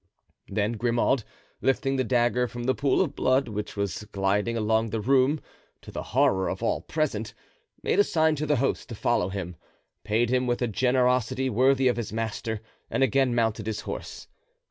Then Grimaud, lifting the dagger from the pool of blood which was gliding along the room, to the horror of all present, made a sign to the host to follow him, paid him with a generosity worthy of his master and again mounted his horse.